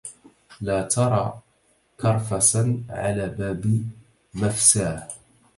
لا ترى كرفسا على باب مفساه